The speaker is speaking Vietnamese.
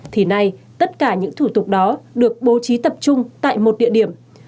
thì nay tất cả những thủ tục đó được bố trí tập trung tại một địa điểm